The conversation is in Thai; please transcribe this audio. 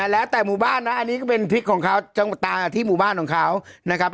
แล้วแต่หมู่บ้านนะอันนี้ก็เป็นพริกของเขาจังหวัดตาที่หมู่บ้านของเขานะครับ